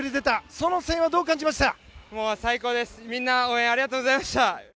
その声援はどう感じましたか。